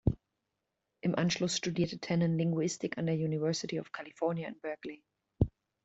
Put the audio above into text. Im Anschluss studierte Tannen Linguistik an der University of California in Berkeley.